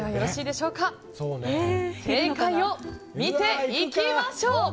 正解を見ていきましょう。